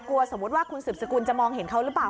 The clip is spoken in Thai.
สมมุติว่าคุณสืบสกุลจะมองเห็นเขาหรือเปล่า